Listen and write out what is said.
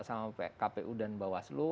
sama kpu dan bawaslu